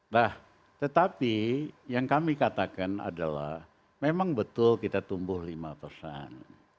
nah tetapi yang kami katakan adalah memang betul kita tumbuh lima persen